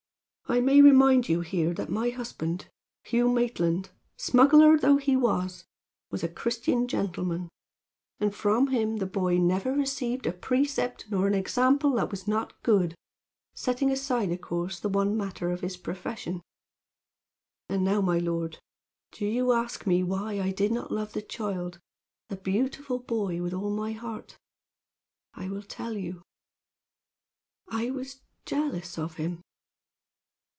"I may remind you here that my husband Hugh Maitland smuggler though he was, was a Christian gentleman; and from him the boy never received a precept nor an example that was not good, setting aside, of course, the one matter of his profession. "And now, my lord, do you ask me why I did not love the child the beautiful boy with all my heart? I will tell you. "I was jealous of him!